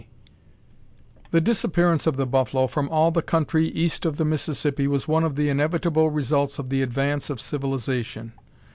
] The disappearance of the buffalo from all the country east of the Mississippi was one of the inevitable results of the advance of civilization.